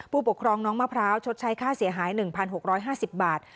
ผู้ปกครองน้องมะพร้าวชดใช้ค่าเสียหาย๑๖๕๐บาท